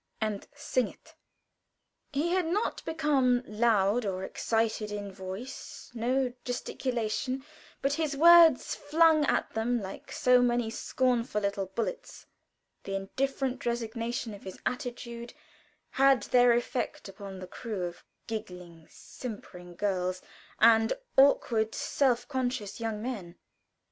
"And sing it!" He had not become loud or excited in voice or gesticulation, but his words, flung at them like so many scornful little bullets, the indifferent resignation of his attitude, had their effect upon the crew of giggling, simpering girls and awkward, self conscious young men.